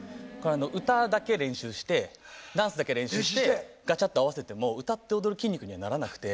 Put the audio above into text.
歌だけ練習してダンスだけ練習してガチャッて合わせても歌って踊る筋肉にはならなくて。